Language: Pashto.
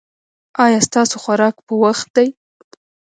ایا ستاسو خوراک په وخت دی؟